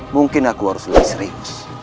mungkin aku harus lebih serius